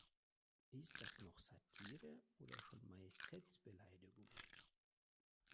Ist das noch Satire oder schon Majestätsbeleidigung?